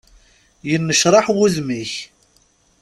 Yennecraḥ wudem-ik.